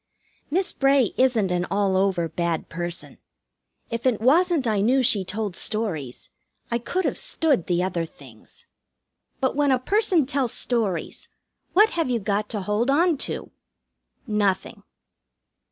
Miss Bray isn't an all over bad person. If it wasn't I knew she told stories, I could have stood the other things. But when a person tells stories, what have you got to hold on to? Nothing.